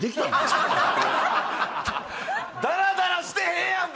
ダラダラしてへんやん！